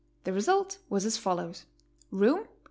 The result was as follows: Room, $0.